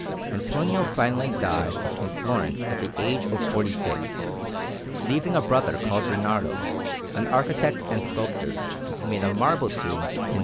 Antonio finally died in Florence at the age of forty six, leaving a brother called Bernardo, an architect and sculptor, who made a marble tomb in S.